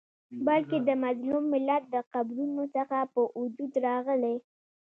بلکي د مظلوم ملت د قبرونو څخه په وجود راغلی